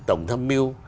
tổng thâm mưu